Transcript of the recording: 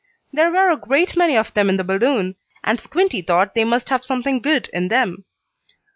There were a great many of them in the balloon, and Squinty thought they must have something good in them.